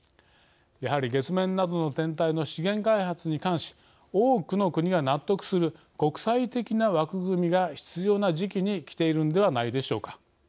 やはり月面などの天体の資源開発に関し多くの国が納得する国際的な枠組みが必要な時期にきているんではないでしょうか。